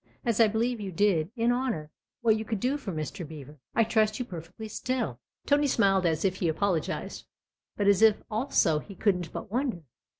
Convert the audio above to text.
" As I believe you did, in honour, what you could for Mr. Beever, I trust you perfectly still." Tony smiled as if he apologised, but as if also he couldn't but wonder.